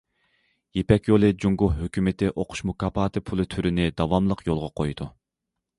« يىپەك يولى» جۇڭگو ھۆكۈمىتى ئوقۇش مۇكاپات پۇلى تۈرىنى داۋاملىق يولغا قويىدۇ.